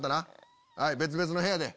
はい別々の部屋で。